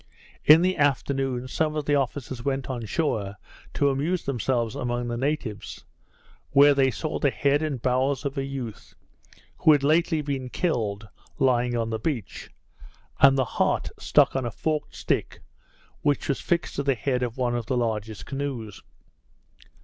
In the afternoon, some of the officers went on shore to amuse themselves among the natives, where they saw the head and bowels of a youth, who had lately been killed, lying on the beach; and the heart stuck on a forked stick, which was fixed to the head of one of the largest canoes.